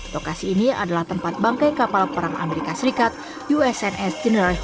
lokasi ini adalah tempat bangkai kapal perang amerika serikat usns general hodge s vandenberg